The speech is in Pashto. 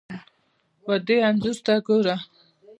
ودې انځور ته ګوره!